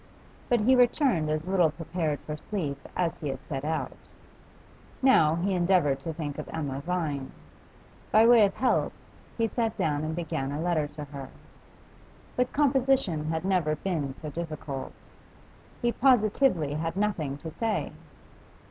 But he returned as little prepared for sleep as he had set out. Now he endeavoured to think of Emma Vine; by way of help, he sat down and began a letter to her. But composition had never been so difficult; he positively had nothing to say.